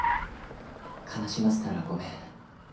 悲しませたらごめん。